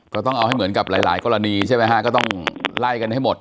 ก็ต้องเอาให้เหมือนกับหลายหลายกรณีใช่ไหมฮะก็ต้องไล่กันให้หมด